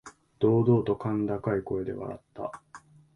堂々と甲高い声で笑った。